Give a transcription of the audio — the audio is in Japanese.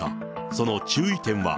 その注意点は。